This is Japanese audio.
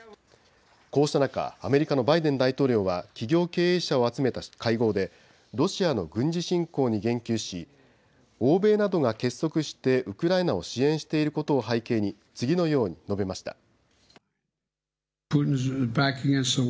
こうした中、アメリカのバイデン大統領は企業経営者を集めた会合でロシアの軍事侵攻に言及し欧米などが結束してウクライナを支援していることを背景に次のように述べました。